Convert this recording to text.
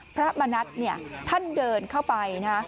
พระมณัฐท่านเดินเข้าไปนะ